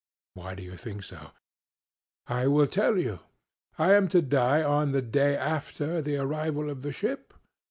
CRITO: Why do you think so? SOCRATES: I will tell you. I am to die on the day after the arrival of the ship?